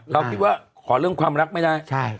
เราคิดว่าขอเรื่องความรักไม่ได้